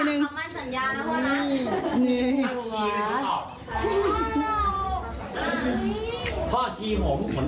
หึหึหึจบทีนึง